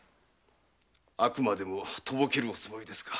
あくまでもとぼけるおつもりですか。